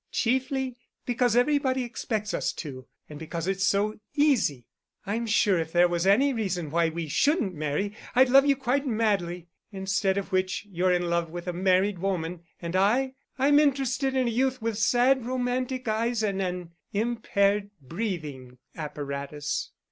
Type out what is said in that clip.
Chiefly because everybody expects us to—and because it's so easy. I'm sure if there was any reason why we shouldn't marry, I'd love you quite madly. Instead of which, you're in love with a married woman, and I—I'm interested in a youth with sad romantic eyes and an impaired breathing apparatus."